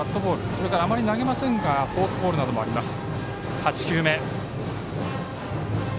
それから、あまり投げませんがフォークボールなどもあります。